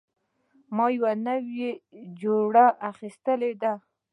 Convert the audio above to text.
ما یوه نوې جوړه اخیستې ده